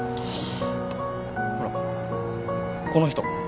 ほらこの人。